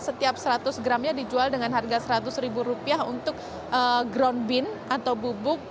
setiap seratus gramnya dijual dengan harga seratus ribu rupiah untuk ground bean atau bubuk